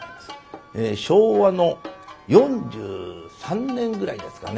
昭和の４３年ぐらいですかね